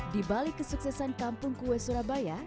di balik kesuksesan kampung kue surabaya